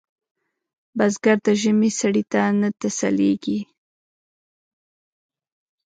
بزګر د ژمي سړې ته نه تسلېږي